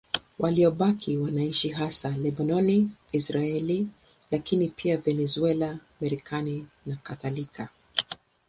Waliobaki wanaishi hasa Lebanoni, Israeli, lakini pia Venezuela, Marekani nakadhalika.